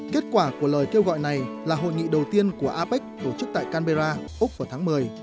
kết quả của lời kêu gọi này là hội nghị đầu tiên của apec tổ chức tại canberra úc vào tháng một mươi